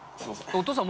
お父さん